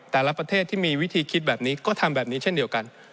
แต่ละประเทศที่มีวิธีคิดแบบนี้ก็ทำแบบนี้เช่นเดียวกัน